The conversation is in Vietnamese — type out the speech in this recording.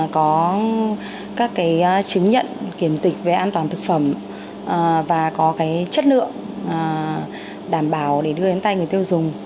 có các chứng nhận kiểm dịch về an toàn thực phẩm và có chất lượng đảm bảo để đưa đến tay người tiêu dùng